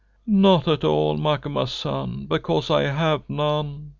"Not at all, Macumazahn, because I have none.